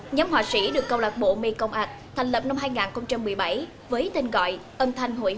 nhóm họa sĩ được công lạc bộ mê công ảc thành lập năm hai nghìn một mươi bảy